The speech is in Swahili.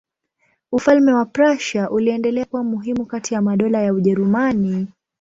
Ufalme wa Prussia uliendelea kuwa muhimu kati ya madola ya Ujerumani.